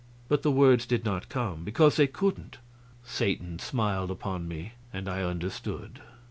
But the words did not come, because they couldn't. Satan smiled upon me, and I understood.